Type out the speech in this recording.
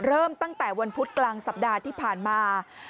เริ่มตั้งแต่วันพุธกลางสัปดาห์ที่ผ่านมา